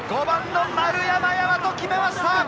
５番の丸山大和、決めました！